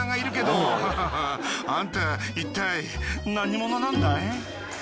あんたいったい何者なんだい？